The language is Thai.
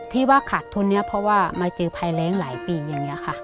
ที่ว่าขาดทุนนี้เพราะว่ามาเจอภัยแรงหลายปีอย่างนี้ค่ะ